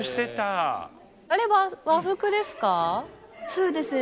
そうです。